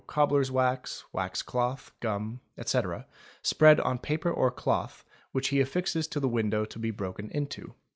cobbler's wax, wax cloth, gum, etc., spread on paper or cloth, which he affixes to the window to be broken into.